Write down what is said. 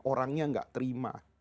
orangnya tidak terima